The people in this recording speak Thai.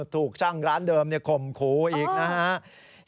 ถูกช่างร้านเดิมข่มขู่อีกนะครับ